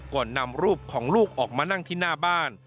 ก่อนนำรูปของลูกออกมานั่งที่หน้าบ้าน